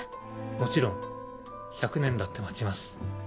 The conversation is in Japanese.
もちろん１００年だって待ちます。